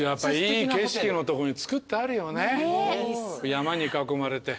山に囲まれて。